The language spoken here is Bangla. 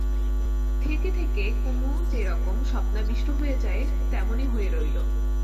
থেকে থেকে কুমু যেরকম স্বপ্নাবিষ্ট হয়ে যায়, তেমনি হয়ে রইল।